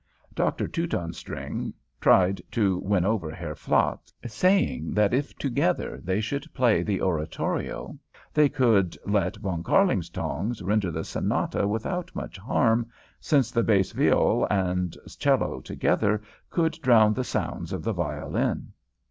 Doctor Teutonstring tried to win over Herr Flatz, saying that if together they should play the Oratorio they could let Von Kärlingtongs render the Sonata without much harm, since the bass viol and 'cello together could drown the sounds of the violin.